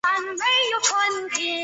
整个下午她依然哭个不停